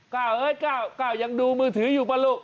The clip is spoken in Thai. ก้าวยังดูมือถืออยู่ป่ะลูก